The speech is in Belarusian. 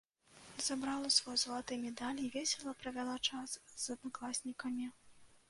Забрала свой залаты медаль і весела правяла час з аднакласнікамі.